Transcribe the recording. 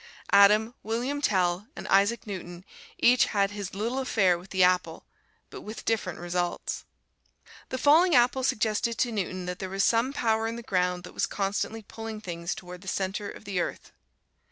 Adam, William Tell and Isaac Newton each had his little affair with an apple, but with different results. The falling apple suggested to Newton that there was some power in the ground that was constantly pulling things toward the center of the earth.